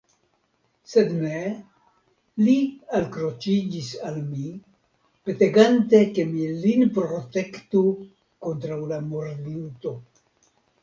Sed ne, li alkroĉiĝis al mi, petegante ke mi lin protektu kontraŭ la murdinto.